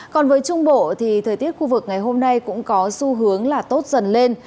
còn với trung bộ thời tiết khu vực ngày hôm nay cũng có xu hướng tốt dần lên